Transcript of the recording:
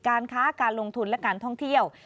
การค้าการลงทุนและการท่องเที่ยว